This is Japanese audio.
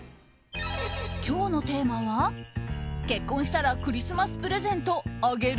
今日のテーマは結婚したらクリスマスプレゼントあげる？